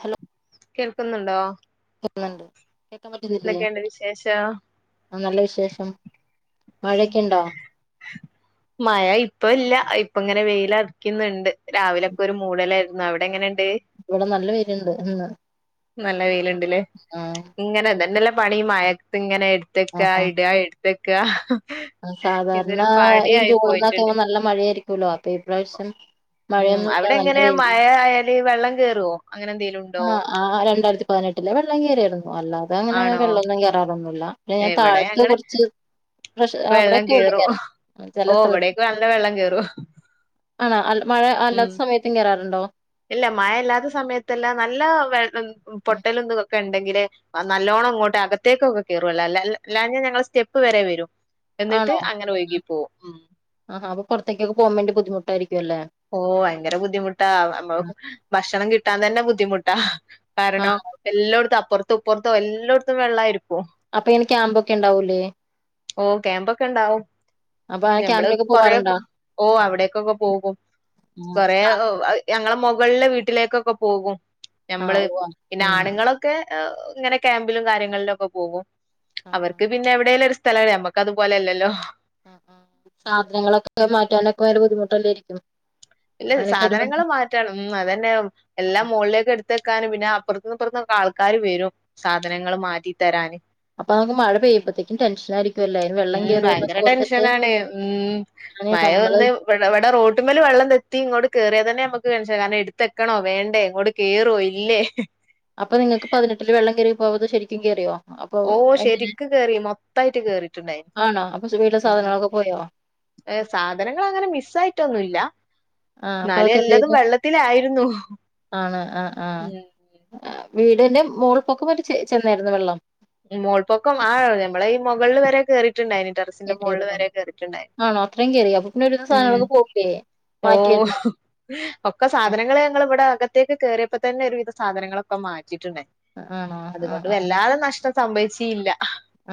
Hello കേൾക്കുന്നൊണ്ടോ? കേക്കണൊണ്ട്. കേക്കാൻ പറ്റുന്നില്ലേ? വിശേഷം ആ നല്ല വിശേഷം. മഴയൊക്കെണ്ടോ? മഴ ഇപ്പ ഇല്ല ഇപ്പങ്ങനെ വെയിലൊറക്കുന്നുണ്ട് രാവിലെക്കെ ഒരു മൂടലായിരുന്നു അവിടെങ്ങനെണ്? ഏഹ് ഇവിടെ നല്ല വെയിലുണ്ട് ഇന്ന് നല്ല വെയിലണ്ട്ല്ലേ, ആ ഇങ്ങനെല്ലന്നലെ? പണി ഈ മയത്തിങ്ങനെ എട് ആ ത്തക്ക ആ ഇടാ ഇട് തക്ക സാധാരണ ഈ ജൂണുന്നൊക്കെ പോയിട്ടുണ്ട് നല്ല മഴയായിരി ഈ പ്രാവശ്യം ഉം അവിടെ എങ്ങനാ മഴ ആയാൽ ദേ വെള്ളം കേറോവോ ആഹ് ആഹ് രണ്ടായിരത്തി പതിനെട്ടിലെ വെള്ളം കേറിയായിരുന്നു അല്ലാതെ അങ്ങനെ ആണോ വെള്ളൊന്നും കേറാറൊന്നുല്ല പിന്നെ ഞാൻ ഇവിടെ താഴത്തില് ഞങ്ങള് കൊറച്ച് പ്രശ അവിടൊക്കെ വെള്ളം കേറി ചെല ഓ സ്ഥലത്ത് ഇവിടേക്ക് നല്ല വെള്ളം കേറും ആണോ അ മഴ ഉം അല്ലാത്ത സമയത്തും കേറാറുണ്ടോ? നല്ലാ [unintelligible] പൊട്ടലെന്തുവാ ക്കെണ്ടെങ്കിലെ നല്ലോണങ്ങോട്ട് അകത്തേക്കൊക്കെ കേറോള്ളു അല്ലാഞ്ഞെ ഞങ്ങളെ സ്റ്റെപ്പ്‌ വരെ വരു എന്നിട്ട് അങ്ങനെ ഒഴുകിപോവും ഉം ആ അപ്പ പുറത്തേക്ക പോകാൻവേണ്ടി ബുധിമുട്ടരിക്കും ഓ ഭയങ്കര ബുദ്ധിമുട്ടാ ഭക്ഷണം കിട്ടാൻ തന്നെ ബുദ്ധിമുട്ട് ആഹ് ആ കാരണം എല്ലായിടത്തും അപ്പുറത്ത് പ്പുറത്തോ എല്ലായിടത്തും വെള്ളായിമായിരിക്കും അപ്പൊ ഇനി ക്യാമ്പ ഒക്കെ ഉണ്ടാവൂലേ ഓ ക്യാമ്പൊക്കെ ഇണ്ടാവും അപ്പൊ ആ നമ്മള് ക്യാമ്പിലൊക്കെ പോവാറുണ്ടോ കൊറൊക്കെ ഓ അവിടക്കൊക്കെ പോകും കൊറെ [unintelligible] ഞങ്ങളെ മുകളിലെ വീട്ടിലേക്കൊക്കെ പോകും ആ ഞമ്മള് ഉവ്വ പിന്നെ ഉം ആണുങ്ങളൊക്കെ ഇങ്ങനെ ക്യാമ്പിലും കാര്യങ്ങളിലുംഒക്കെ പോകും ആഹ് ആഹ് അവർക്ക് പിന്നെ എവിടെലും ഒരു സ്ഥലെ നമ്മക്ക് അതുപോലെയല്ലല്ലോ സാധനങ്ങളൊക്കെ മാറ്റാനൊക്കെ [unintelligible] ബുദ്ധിമുട്ടല്ലെരിക്കും ഇല്ല സാധനങ്ങള് മാറ്റണം ഉ അതന്നെ എല്ലാം മോളിലേയ്ക് എടുത്ത് ക്കാനും പിന്നെ അപ്പുറത്തുന്നിപ്പുറത്തൊക്കെ ആൾക്കാര് വരും സാധനങ്ങൾ മാറ്റിത്തരാന് ശരി ഉം ഭയങ്കര ടെൻഷനാണെ ഉം അങ്ങനെ മഴ നമ്മള് വന്ന് ഇവടെ ഇവടെ റോട്ടിമ്മല് വള്ളം തെത്തി ഇങ്ങോട്ട് കേറിയാതന്നെ മ്മക്ക് എൻഷനാ എട്ത്തക്കണോ വേണ്ടേ ഇങ്ങോട്ട് കേറോ ഇല്ലേ അപ്പൊ നിങ്ങക്ക് പതിനെട്ടില് വെള്ളം കേറി പോവാതെ ശെരിക്കും കേറിയോ അപ്പൊ ഓം എങ്ങ ശെരിക്കും കേറി മൊത്തായിട്ട് കേറീട്ട്ണ്ടായി ആണോ അപ്പൊ വീട്ടിലെ ഉം സാധനങ്ങളൊക്കെ പോയോ സാധനങ്ങളങനെ മിസ്സായീട്ടൊന്നുല്ല ആഹ് അപ്പൊ ഇന്നാല് അതൊക്കെ എന്ത് എല്ലതും ചെയ്തു വള്ളത്തിലായി ഇന്നു ആണ് അഹ് ആഹ് അ വീടിന്റെ മോൾ പൊക്കമറ്റം ചെന്നായിരുന്നു വെള്ളം മോൾപൊക്കം ആഹ് ഞമ്മളീ മൊകള്ല് വരേ കേറി ട്ട്ണ്ടായീനി ടെറസിൻ്റെ മോള് കേറിയാരുന്നോ വരേ കേറീട്ട്ഢേനി ആണോ അത്രയും കേറിയോ അപ്പൊ പിന്നെ ഒരുവിധം ഉം സാധനങ്ങളൊക്കെ പോയില്ലേ ഓ മാറ്റിയാരുന്നോ ഒക്കെ സാധനങള് ഞങ്ങള് ഇവടെ അക ൻ്റെക്ക് കേറിയപ്പതന്നെ ഒരുവിധം സാധനങ്ങളൊക്കെ മാ റ്റ്ണ്ട് ആണോ ആഹ് അതുകൊണ്ട് ആഹ് വല്ലാതെ നഷ് സമ്മയ്ച്ചീല്ല്യ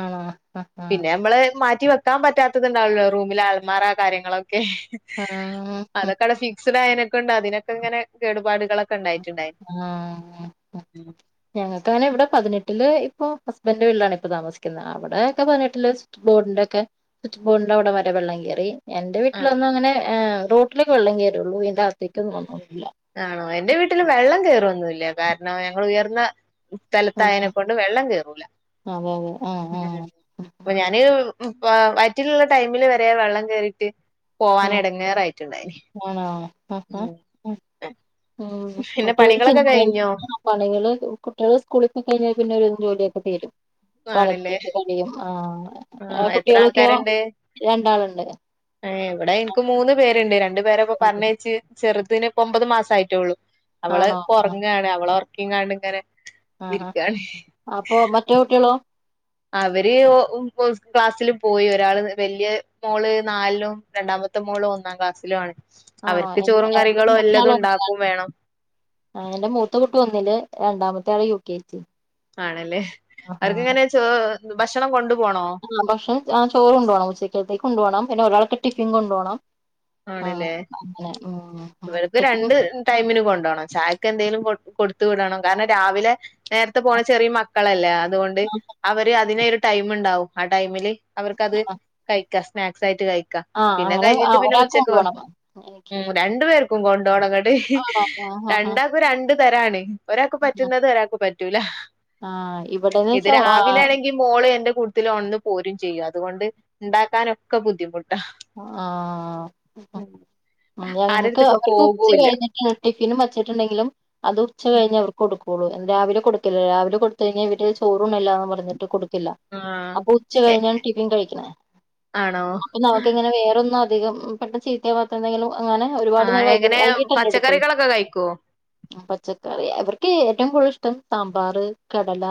ആണോ ആഹ് ആഹ് പിന്നെ അമ്മള് മാ റ്റി വെക്കാൻ പറ്റാത്തതുണ്ടാവുല്ലോ റൂമില് അൾമറ കാര്യങ ക്കെ ആഹ് അതൊക്കെ അടെ ഫിക്സഡ് ആയേനെ ക്കണ്ട് അതിനൊക്കെങനെ കേടുപാടുകളൊക്കെണ്ടയി ആഹ് ഞങ്ങക്കന്നെ ഇവിടെ പതിനെട്ടില് ഓ ഹസ്ബൻ്റിൻ്റെ വീട്ടിലാണിപ്പ താമസിക്കുന്നെ അവിടെയൊക്കെ പതിനെട്ടില് സുച്ച്ബോഡ്ൻ്റെക്കെ സുച്ച്ബൊഡ്ൻ്റെ അവിടവരെ വെള്ളം കയറി എന്റെ ആണ് വീട്ടിലൊന്നു അങ്ങനെ ഏ റോട്ടിലൊക്കെ വെള്ളം കേറിള്ളൂ വീടിന്റെ അകത്തേക്കൊന്നും വന്നൊന്നു ആണോ എൻ്റെ വീട്ടിലും വെള്ളം കേ റൊന്നൂല്ല കാരണം ഞങ്ങളുയർന്ന ആഹ് ഉത്തലത്തായേനെക്കൊണ്ട് വെള്ളം കേറൂല അതെ അതെ ആഹ് മ് ആഹ് പ്പോ ഞാന് വയറ്റിലുള്ള ടൈമില് വരെ വള്ളംകേറീട്ട് പോവാൻ ആഹ് എടങ്ങേറായിട്ടുണ്ടായി ആണോ ആ ഉം പിന്നെ പണികളൊക്കെ മറ്റൊരു കഴിഞ്ഞോ പണികള് കുട്ടിള് സ്കൂളിപോയി കയിഞ്ഞാപിന്നെ ജോലിയൊക്കെ തീരും കാലത്തേക്ക് കളിയും ആഹ് ആ കുട്ടികളൊക്കെയോ എത്രാൾക്കാരണ്ട് രണ്ടാളുണ്ട് ഏ ഇവിടെ ഇൻക് മൂന്ന് പേര് രണ്ട് രണ്ടു പേരപ്പ പറഞ്ഞേച്ച് ചെറു ഇതിന് ഇപ്പം ഒമ്പത് മാസം ആയിട്ടൊള്ളൂ അവള് ഇപ്പം ഒറങ്ങാണ് അവള്റെ ക്കിങ്ങാണ്ട്ങ്ങനെ ആഹ് ആഹ് അപ്പൊ മറ്റോ കുട്ട്യേളോ അവര് ഒ ക്ലാസ്സിലും പോയി ഒരാള് വല്ല്യാ മോള് നാല്ലും രണ്ടാമത്തെ മോള് ഒന്നാം ക്ലാസ്സിലും ആണ് ആണോ അവർക്ക് ചോറും കറികളും എല്ലതും ഉണ്ടാക്കും [unintelligible] വേണം ആഹ് എൻ്റെ മൂത്താ കുട്ടി ഒ ല് രണ്ടാമത്തെ ആള് യു കെ ജി ആണല്ലേ ആഹാ അവർക്ക് ഇങ്ങനെ ചോ ഭക്ഷണം കൊണ്ട ആഹ് ഭക്ഷണം ആ ചോറ് കൊണ്ടോ ണം ഉച്ചയ്ക്കത്തേക്ക് കൊണ്ട് പോണം പിന്നെ ഒരാൾക്ക് ടിഫിൻ കൊണ്ട് പോണം ആണ്ല്ലേ ഉം. ഇവര്ക്ക് ടിഫിൻ രണ്ട് ടൈമിന് കൊണ്ടോണം ചായക്ക് എന്തെലും കൊൺ കൊട ത്ത് വിടണം, കാരണം രാവിലെ നേരത്തെ പോണം, ചെറിയ മക്കളല്ലേ അത് കൊണ്ട് അവര് അതിനെയൊരു ടൈം ഒണ്ടാവും ആ ടൈമില് അവർക്കത് കഴി ക്കാ സ്നാക്സ് ആയിട്ട് കയി ആ [unintelligible] ഒരാക്ക് [unintelligible] [unintelligible] മ് രണ്ട് പേ [unintelligible] കൊണ്ടോണങ്ങട് ആണോ ആഹ് ആഹ് രണ്ടാക്കും രണ്ട് തരാണ്. ഒരാക്ക് പറ്റുന്നത് ഒരാക്ക് പറ്റ് റ്റൂല. ആ ഇവടെന്ന് വെച്ചാ ആ കൂട്ട്തില് ഒണന്ന് പോരും ചെയ്യും, അത് കൊണ്ട് ഇണ്ടാക്കാനൊക്കാ ബുദ്ധിമുട്ടാ. ആ ആ [unintelligible] ആ ഞങ്ങക്ക് ആരെട്ത്ത്ക്കും അവർക്ക് ഉച്ച പോകൂല്ല കഴിഞ്ഞിട്ട ടിഫിനും വച്ചിട്ടുണ്ടെങ്കിലും അത് ഉച്ച കഴിഞ്ഞ് അവർക്ക് കൊടുക്കും. പോ രാവില കൊട്ത്തില്ലാ രാവിലെ കൊടുത്ത് കഴിഞ്ഞാ ഇവര് ചോറ് ഉണ്ണില്ലാന്ന് പറഞ്ഞട്ട് കൊട് റ്റില്ലാ ആഹ് അപ്പോ ഉച്ച കഴിഞ്ഞാ ടിഫിൻ കഴിക്കണേ ആണോ [unintelligible] വേറൊന്നും അധികം പെട്ടന്ന് ചീത്തയാവാത്തെ എന്തെങ്കിലും അങ്ങനെ ഒരുപാട് ആഹ് നേരം വൈക് എങ്ങനെ വൈകിട്ടല്ലേ എടുക്കുള്ളൂ, പച്ചക്കറികളൊക്കെ കഴിക്കോ? മ് പച്ചക്കറി അവർക്ക് ഏറ്റോം കൂടുതൽ ഇഷ് [unintelligible] സാമ്പാറ്, കടല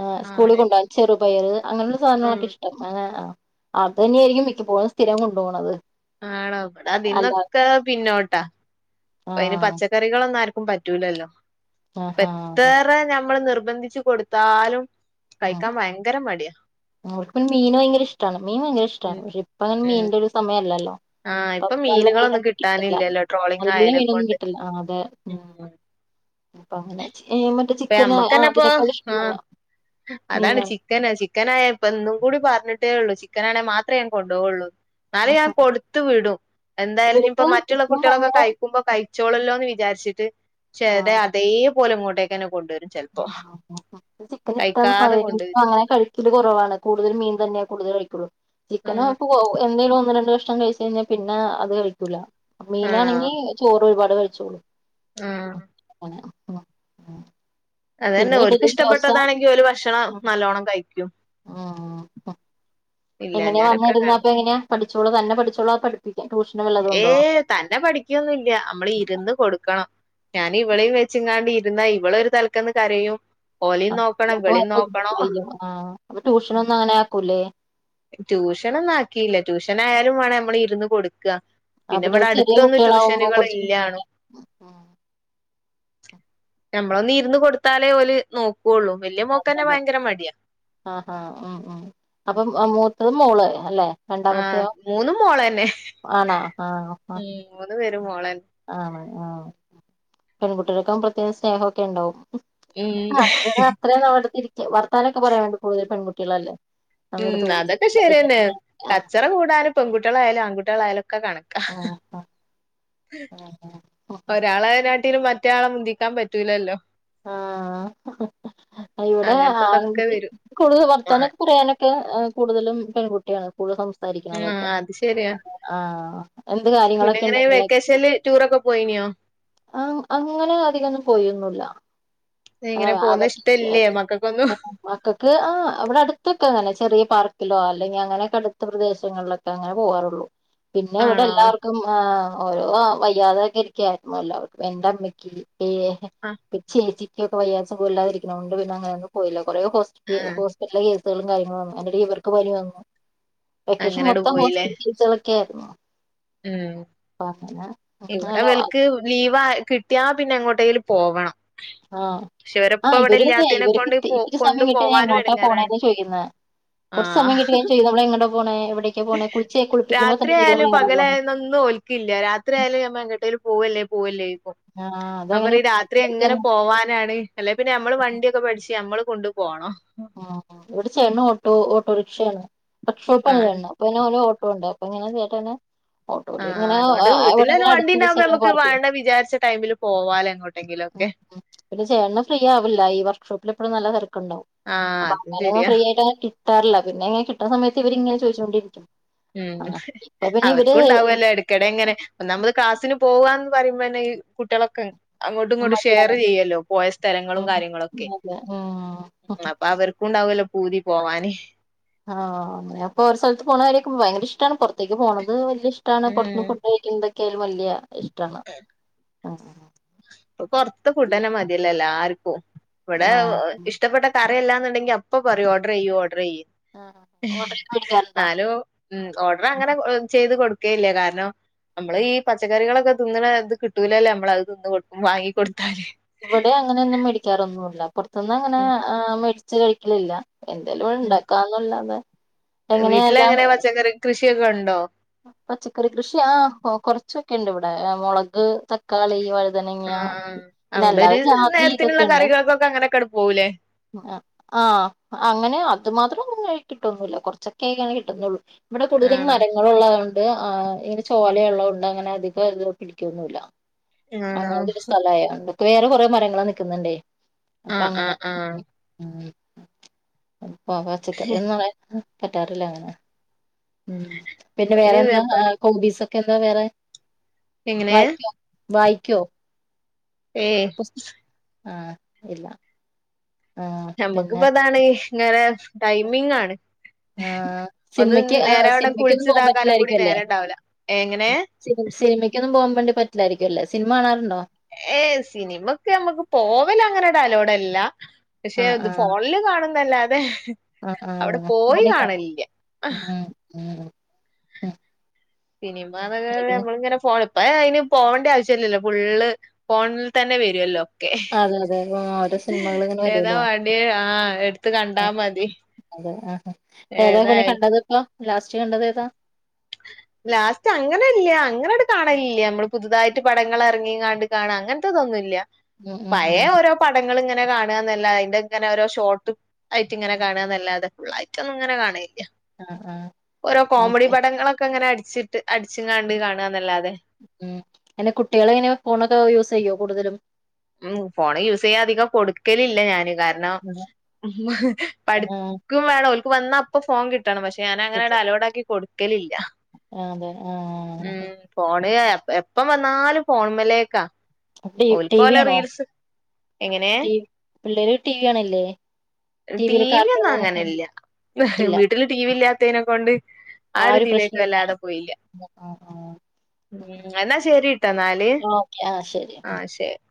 ആ സ്കൂളി ആണല്ലേ കൊണ്ടോൻ ചെറ് പയറ് അങ്ങനെയൊള്ള ഉം സാധനങ്ങളൊക്കെ ഇഷ്ടം [unintelligible] ആ അത് തന്നെയായിരിക്കും മിക്കപ്പോഴും സ്ഥിരം കൊണ്ടോണത്. ആണോ ഇവടെ അതിന്നൊക്കെ പിന്നോട്ടാ അപ്പ അയ്ന് ആഹ് പച്ചക്കറികളൊന്നും ആർ ക്കും പറ്റൂലല്ലോ. ആഹ് എത്തറെ ഞമ്മള് നിർബ് നിർബന്ധിച്ച് കൊടുത്താലും കൈക്കാൻ ഭയങ്കര മടിയാ. ഓല്ക് മീൻ ഭയങ്ക ഇഷ്ടാണ്, മീൻ ഭയങ്കര ഇഷ്ടാണ്, പക്ഷേ ഇപ്പ അങ്ങനെ മീൻന്റെരു സമയല്ലല്ലോ. ആ ഇപ്പൊ ഇപ്പം നല്ല മീനുകളൊന്നും മീനൊന്നും കിട്ടില്ല കിട്ടാനില്ലല്ലോ ട്രോളിങ് നല്ല മീനൊന്നും ആയനെക്കൊണ്ട്, മ് മ് അപ്പങ്ങനെ ചെയ്യുമ്പ അപ്പ നമ്മക്കന്നെപ്പ ആ അതാണ് മീനാണ് ചിക്കന് ചിക്കനായപ്പൊ ഇന്നും കൂടി പറഞ്ഞിട്ട് ടേ ഉള്ളൂ ചിക്കനാണെ മാത്രേ ഞാ ൻകൊണ്ടോവുള്ളൂ എന്നാലും ഞാൻ കൊടുത്തു വിടും ഇവർക്ക് എന്തായാല്ഇപ്പ മറ്റുള്ള ചിക്കൻ കുട്ടികളൊക്കെ ഭയങ്കര കഴിക്കുമ്പോ കഴിച്ചോളല്ലോ ന്ന് വി വിചാരിച്ചിട്ട് ശതേ അതേ പോലുംങ്ങോട്ടെ ങ്ങനെ കൊണ്ട് കഴിക്കാതെ ചിക്കൻഇഷ്ടാന്ന് കൊണ്ടുവരും അങ്ങനെ കഴിക്കല് കുറവാണ് കൂടുതൽ മീൻ തന്നെയാ കൂടുതൽ കഴ ചിക്കനും ഉം അഹ്പ്പം എന്തേലും ഒന്ന് രണ്ട കഷ് ഭക്ഷണം കഴിച്ച് കഴിഞ്ഞാൽ പിന്നെ അത് കഴിക്കൂല മീനാണെങ്കി ചോറ് ഒരുപാട് കഴിച്ചോളൂ ആഹ ആ ഉ അത തന്നെ ഒൽക്ക് ഇഷ്ടപ്പെട്ടതാണെങ്കി ഒരു ഭക്ഷണം ഉം നല്ലോണ്ണം കഴിക്കും ഉം. എങ്ങനെയാ ഇല്ലാഞ്ഞാലൊക്കെ കണ വന്നിരുന്ന പ്പ ങ്ങനെയാ പഠിച്ചോളൂ തന്നെ പഠിച്ചോളൂ പഠിപ്പിക്കാ ട്യൂഷനും ഉള്ളതുണ്ടോ ഏയ് തന്നെ പഠിക്കൊന്നുല്ല നമ്മള് ഇരുന്ന് കൊടുക്കണം ഞാൻ ഇവളേയും വെച്ച് ങ്ങാണ്ട ഇരുന്നാ ഇവ ള്ഒരു തലക്കന്ന് കരയും ആ ഓലെയും നോക്കണം ഇവളെയും നോക്കണം അപ്പൊ ട്യൂഷന ഒന്നും അങ്ങനെ ആക്കൂല്ലേ ട്യൂഷന് ന്നും ആാക്കിയില്ല ട്യൂഷന് ആയാലും വേണം മ്മള്ഇരുന്ന് കൊടു ആ പിന്നെര് ചെറിയ കുട്ടികളാവുമ്പോ കുറച്ച് ഇല്ലാണും നമ്മളൊന്ന് ഇരുന്ന് കൊടുത്താലേ ഓല് നോ അതെന്നെ ആഹ് ഹഹ ഉ ഉ അപ്പം ഇത് മോള് അല്ലെ ആഹ രണ്ടാമത്തെയോ മൂന്നും മോളെന്നെ ആണാ മ്മ് ഇന്ന് വരും മോളെ ആണ ആഹ പെൺകുട്ടൾക്കെ പ്രത്യേക സ്നേഹൊക്കെ ഉണ്ടാവും ഉം ആ അത്രയും അരിക്ക വർത്താനക്കെ പറയാൻ വേണ്ടി കൂടുതൽ പെൺകു കളല്ലേ ഉം അതൊക്കെ ശരിയന്നെ. ആഹ് കച്ചറ കൂടാനും പെൺകുട്ടികളായാലും ആൺകുട്ടികളായാലും ഒക്കെ കണക ആഹ് ആഹ് ഒരാള കാട്ടിലും മറ്റയാളെ മുന്തിക്കാൻ പറ്റൂല്ലല്ലോ ആ ഇവിടെ അങ്ങനത്തെതൊക്കെ ആൺകുട്ടി വരും കൂടുതൽ ആഹ് വർത്താനൊക്കെ പറയാനൊക്കെ കൂടുതലും പെൺകുട്ടിയാണ് കൂടുതൽ സംസാരിക്കണതൊക്കെ ആഹ് അത് ശരിയാ ആ എന്ത് പിന്നെ കാര്യങ്ങളൊക്കെ എങ്ങനെ ഉണ്ടെങ്കില വെക്കേഷനില് ടൂറൊക്കെ പോയിനിയോ ആ അങ്ങനെ അധികന്നും പോയൊന്നല്ല ആ എങ്ങനെ അവ പോന്ന ഇഷ്ടല്ലേ മക്കൾക്കൊന്നും മക്കൾക്ക് ആഹ അവിടെ അടുത്തൊക്കെ അങ്ങനെ ചെറിയ പാർക്കിലോ അല്ലെങ്കിൽ അങ്ങനെ അ ടുത്ത പ്രദേശങ്ങളിലൊക്കെ അങ്ങനെ പോകാറുള്ളു പിന്നെ ഇവിടെ ആണോ എല്ലാവർക്കും ആ ഓരോ യാഥാഗരിക്കായിരുന്നുല്ലോ അവർക്ക് വെണ്ടമ്മയ്ക്ക് ഇയ്യെ ഹേ ആ [unintelligible] കൊല്ലാതിരിക്കുന്നുണ്ട്ന്നെ അങ്ങന ഒ പോയിലോ കൊറേ ഹോസ്റ്റപ്പി ആഹ് ഹോസ്പിറ്റ പുസ്കും കാര്യങ്ങന്നും. അതിന്റെ ടിയിൽ ഇവർക്ക് പോയി വാങ്ങണം വെക്കേഷൻ അങ്ങനട് മൊത്തം പോയില്ലേ ഹോസ്പിറ്റകേസെക്കെ [unintelligible] ഉം ഇവിടെ അങ്ങനെ വൽക്ക് ലീവ കിട്ടിയാ പിന്നെ എങ്ങോട്ടേൽ പോവണം ആഹ പക്ഷെ ആ ഇവരിപ്പ ഇവിടെ ഇല്ലാത്തതിനെ ഇവർക്ക് കൊണ്ട് പോ ഇത്തിരി കൊണ്ടു സമയം കിട്ട പോവാനും ഇങ്ങോട്ടാ എടങ്ങേറാണ് പോണന്ന് ചോയ്ക്കുന്നെ. കൊറച്ച് സമയം കിട്ട നമ്മള് പോണവിടെ രാത്രിയാലും പകലായൊന്നും ഓൽക്കില്ല രാത്രിയാലും ഞാൻ എങ്ങട്ടേ പോവല്ലേ പോവല്ലേ ആഹ് ഞാൻ അതങ്ങനെ പറിം രാത്രി എങ്ങനെ പോവാനാണ് അല്ലെ പിന്നെ നമ്മള് വണ്ടിയൊക്കെ പഠിച്ച് നമ്മള് കൊണ്ട് പോകണം ആ ഇവിടെ ചേട്ടന് ഓട്ടോ ഓട്ടോറി ക്ഷേണ് ആണ് [unintelligible] പിന്നെ ഒരു ഓട്ടോ പോണ്ട് അപ്പൊങ്ങനെ ചേട്ടന്നാ ആഹ് ഒടുവിലിങ്ങനാ ആ അതുകൊണ്ട് വീട്ടിലന്നെ എവിടെങ്കിലും വണ്ടി അടുത്ത് ഉണ്ടാവുമ്പോ നമുക്ക് വേണ്ട വിചാരിച്ച ടൈമില് പോവാലോ എങ്ങോട്ടെങ്കിലൊക്കെ [unintelligible] പിന്നെ ചേട്ടന് ഫ്രീ ആവില്ല ഈ വർക്ഷോപ്പില് ല് നല്ല തെരക്കുണ്ട് ആഹ് അപ്പൊ അതും അങ്ങനൊന്ന് ശരിയാ ഫ്രീ ആയിട്ട് കി ട്ടാറില്ല പിന്നെങ്ങനെ കിട്ടണ സമയത്ത് ഇവരിങ്ങന ചോയിചോണ്ടിരിക്കും ഉം അവർക്കും ഉണ്ടാവല്ലോ ഇടക്കിടെ ഇങ്ങനെ ഒന്നാമത് ക്ലാസ്സിന് പോവാന്ന് പറയും മ്പന്നെ ഈ കുട്ടികളൊക്കെ അങ്ങോട്ടു ഇങ്ങോട്ടും ഷെയർ മടിയാണ് ചെയ്യല്ലോ പോയ സ്ഥലങ്ങളും ഉം കാര്യങ്ങളൊക്കെ അതെ ഉം ഉം അപ്പൊ അവർക്കും ഉണ്ടാവല്ലോ പൂതി പോവാന് ആ അങ്ങനെ അപ്പോരോ സ്ഥലത്ത് പോണാര്യൊക്ക ഭയങ്ക ഇഷ്ട്ടാണ് പൊർത്തേക്ക് പോണത് വല്യ വല്യ ഇഷ്ട്ടാണ് ഉം പുറത്ത്ന്ന് ഫുഡ് കഴിക്കന്തക്കെ വല്യ ഇഷ്ട്ടാണ് ആ ആ ആ ഇപ്പോ പൊറത്ത ഫുഡന്നെ മതിയല്ല ല്ലെല്ലാർക്കും ക്കും ഇവിടെ ആഹ് ഇഷ്ടപ്പെട്ട കാ റിയല്ലാന്നുണ്ടെി അപ്പ പറയും ഓടറെയ്യ് ഓ ഓടറെയ്യ്ന്ന് ആഹ് ഓർഡർ ചെയ്ത് മേടിക്കാറുണ്ടോ ന്നാലോ ഉം ഓഡർ അങ്ങനെ ചെയ്ത് കൊട് ഒക്കെ ഇല്ല കാരണം നമ്മള് ഈ പച്ചക്കറികളൊക്കെ തിന്നണ ഇത് കിട്ടൂലല്ലോ നമ്മളത് തിന്ന് വി ഇവിടെ അങ്ങനെയൊന്നും മേടിക്കാറൊന്നുല്ല തിന്നാങ്ങനെ ഉം മേടി ച്ച് കഴിക്കലില്ല എന്തേലും ഇവിടുണ്ടാക്കാന്നല്ലാതെ വീട്ടിലെങ്ങനെ പച്ചക്കറി കൃഷിയൊക്കെ ണ്ടോ [inaudible] പച്ചക്കറി കൃഷി ആ കൊറച്ചൊക്കെണ്ട് ഇവിടെ മൊളക് തക്കാളി വഴു തനങ്ങ ആഹ് പിന്നെ അവിടൊരു അല്ലാതെ ജാതി നേരത്തിനുള്ള ഇതൊക്കെണ്ട് കറികൾക്കൊക്കെ അങ്ങനൊക്കെട് പോവൂലേ ആ അങ്ങനെ അതു മാത്ര കിട്ടൊന്നുല്ല കൊറച്ചൊക്കെ കിട്ടുന്നുള്ളൂ ഇവട കൂടുതലീ ആണോ മരങ്ങ യോണ്ട് ആ ഈന്റെ ചോലയുള്ളോണ്ട് അങ്ങനെ അധികം ഇത് പിടിക്കൊന്നുല്ല അങ്ങനത്തൊരു സ്ഥലായോണ്ട് വേറെ കുറെേ മരങ്ങള് നിക്കുന്നുണ്ടേ ആ അപ്പൊ ആ അങ്ങനെ ആ അപ്പ പച്ചക്കറിയൊന്നും പറ്റാറില്ലഅങ്ങനെ ഉം ഇനി പിന്നെവേറെന്താ ആ ഹോബീസ് എന്താ വേറെ എങ്ങനെയാ വായിക്കോ വായിക്കോ ഏയ് പുസ്തകം ആഹ് ഇല്ല ആഹ് പിന്നെ നമ്മക്കിപ്പതാണ് ഇങ്ങള് ടൈമിങ്ങാണ് ആഹ് ഒന്ന് സിനിമയ്ക്ക് നേരവണ്ണം സിനിമയ്ക്കൊന്നും പോകാൻ കുളിച്ചിതാക്കാനുംകൂടി പറ്റില്ലായിരിക്കും അല്ലേ നേരണ്ടാവില്ല എങ്ങനെ പറ്റില്ലായിരിക്കുംഅല്ലേ സിനിമകാണാർ ഏ സിനിമക്ക് നമുക്ക് പോവലങ്ങനെ അലോഡല്ല പക്ഷെ ആഹ് ഇത് ആഹ് ഫോണില്കാണും വല്ലാതെ ആഹ് അവിടെ ആഹ് പോയികാണലില്ല്യാ ഉം ഉം ഉം ഉം പിന്നെ സിനിമാനെക്കാളും പിന്നെ നമ്മളിങ്ങനെ ഫോണും ഇപ്പ അയിന് പോവണ്ട ആവശ്യംല്ലല്ലോ ഫുള്ള് ഫോണിൽത്തന്നെ വരുഅല്ലോ അതെ-അതെ ആ ഓരോ സിനിമകളിങ്ങനെ ഏതാ വരുവല്ലോ വാണ്ടിയെ ആഹ് എടുത്ത് കണ്ടാ മതി അ-അതെ-ആ ഏതാപിന്നെ ഏതായാലും കണ്ടതിപ്പൊ ലാസ്റ്റ് കണ്ടതേതാ ലാസ്റ്റ് അങ്ങനില്യ അങ്ങനണ്ട് കാണലില്ല നമ്മള് പുതുതായിട്ട് പടങ്ങൾ ഇറങ്ങിങ്ങാണ്ട് കാണാ അങ്ങനത്ത്തൊന്നുല്യ ഉം ഉം പയയ ഉം ഓരോ പടങ്ങള്ങ്ങനെ ഇങ്ങനെ കാണാന്നല്ലാ അയിന്റെ ഇങ്ങനെ ഓരോ ഷോട്ടും ആയിട്ടിങ്ങനെകാണാന്നല്ലാതെ ഫുള്ളായിട്ടൊന്നും ഇങ്ങനെ കാണില്ല ആഹാ നോക്ക് ഒക്കങ്ങനെ അടിച്ചിട്ട് അടിച്ച്ങ്ങണ്ട് കാണന്നല്ലാതെ ഉം പിന്നെ കുട്ടികളെങ്ങനെ ഫോണൊക്കെ യൂസ്ചെയ്യോ കൂടുതലും ഉം ഫോണ് യൂസെയ്യാ അധികം കൊടുക്കലില്ല ഞാന് കാരണം ആഹ് പഠിക്കും വേണോൽ വന്ന അപ്പോ ഫോൺ കിട്ട താണ്. പക്ഷെ ഞാനങ്ങനാണ്ട് അലൗടാക്കി കൊട് കലിൽ അതെ ഉം ആഹ് ഫോണ് യ എപ്പം വന്നാലും ഫോൺമെലേക്കാ അപ്പീ ക്കോല റീൽസ്. എങ്ങനെ.. പിള്ളേര് ടി വി കാണില്ലേ ടി ടിവിയിൽ വി കാർട്ടൂൺ ഒന്നും അങ്ങനൊക്കെ അങ്ങനില്ല്യ ഇല്ല വീട്ടില് ടി വി ഇല്ലാ ത്തേനെ കൊണ്ട് ആ ഒരു ഇരിതിലേക്ക് പ്രശ്നല്ല വല്ലാതെ പോയില്ല ആഹ് ആഹ് ഉം എന്നാ ശരിട്ടോ എന്നാല് ഓക്കെ ആഹ് ശരി ആഹ ശരി